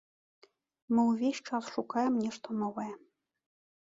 Мы ўвесь час шукаем нешта новае.